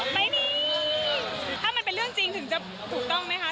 ไม่มีถ้ามันเป็นเรื่องจริงถึงจะถูกต้องไหมคะ